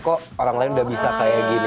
kok orang lain udah bisa kayak gitu